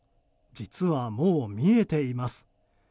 実は、もう見えています。